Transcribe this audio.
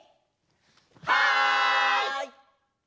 はい！